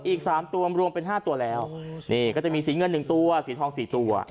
อีกสามตัวรวมเป็นห้าตัวแล้วนี่ก็จะมีสีเงินหนึ่งตัวสีทองสี่ตัว